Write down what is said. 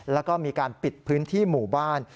แล้วก็มีการปิดพื้นที่หมู่บ้าน